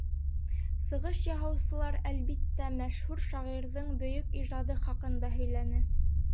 Сығыш яһаусылар, әлбиттә, мәшһүр шағирҙың бөйөк ижады хаҡында һөйләне.